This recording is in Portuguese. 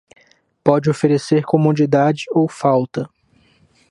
Pode oferecer comodidade ou falta.